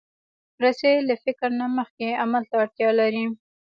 رسۍ له فکر نه مخکې عمل ته اړتیا لري.